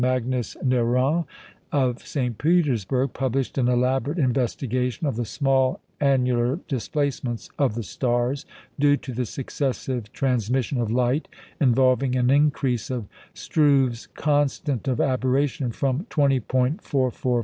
Magnus Nyrén, of St. Petersburg, published an elaborate investigation of the small annular displacements of the stars due to the successive transmission of light, involving an increase of Struve's "constant of aberration" from 20·445" to 20·492".